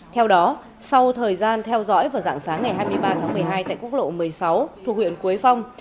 theo đó sau thời gian theo dõi vào dạng sáng ngày hai mươi ba tháng một mươi hai tại quốc lộ một mươi sáu thuộc huyện quế phong